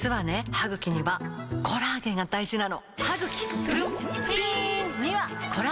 歯ぐきにはコラーゲンが大事なの！